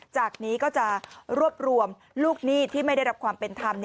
จากนี้ก็จะรวบรวมลูกหนี้ที่ไม่ได้รับความเป็นธรรม